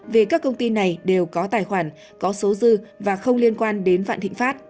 vì các công ty này đều có tài khoản có số dư và không liên quan đến vạn thịnh pháp